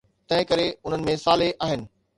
تنهن ڪري، انهن ۾ صالح آهن